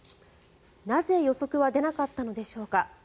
なぜ、予測は出なかったのでしょうか。